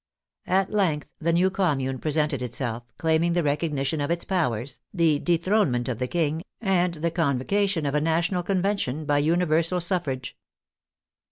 At length the new Commune presented itself, claiming the recognition of its powers, the de thronement of the King, and the convocation of a Na tional Convention by universal suffrage.